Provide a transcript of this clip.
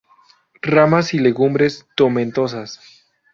Ramas y legumbres tomentosas.